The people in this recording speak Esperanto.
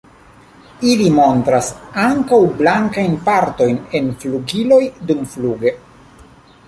Ili montras ankaŭ blankajn partojn en flugiloj dumfluge.